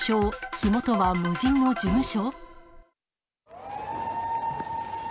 火元は無人の事務所？